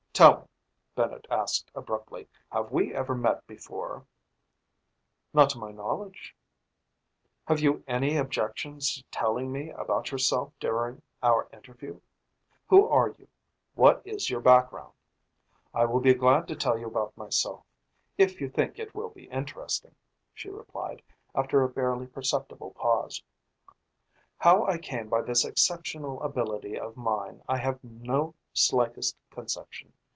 "Tell me," Bennett asked abruptly, "have we ever met before?" "Not to my knowledge." "Have you any objections to telling me about yourself during our interview? Who are you? What is your background?" "I will be glad to tell you about myself, if you think it will be interesting," she replied, after a barely perceptible pause. "How I came by this exceptional ability of mine, I have no slightest conception.